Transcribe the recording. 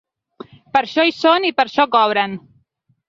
Per això hi són i per això cobren.